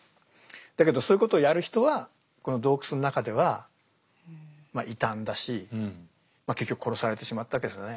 だけどそういうことをやる人はこの洞窟の中では異端だし結局殺されてしまったわけですよね